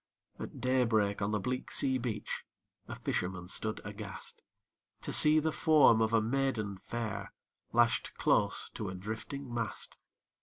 At day break, on the bleak sea beach A fisherman stood aghast, To see the form of a maiden fair Lashed close to a drifting mast.